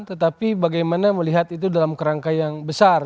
tetapi bagaimana melihat itu dalam kerangka yang besar